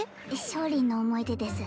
勝利の思い出です